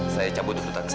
saya campur di hutan saya